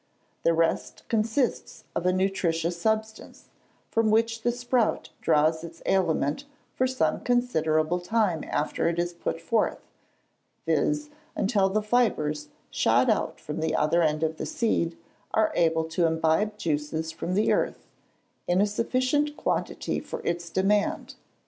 The rest consists of a nutritious substance, from which the sprout draws its aliment for some considerable time after it is put forth; viz., until the fibres, shot out from the other end of the seed, are able to imbibe juices from the earth, in a sufficient quantity for its demand.